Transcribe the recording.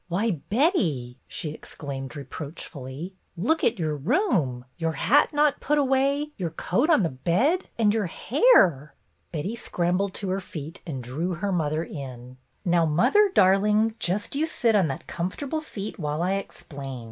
"Why, Betty," she exclaimed reproachfully, "look at your room ! Your hat not put away, your coat on the bed ! And your hair !" Betty scrambled to her feet and drew her mother in. "Now, mother, darling, just you sit on that comfortable seat while I explain.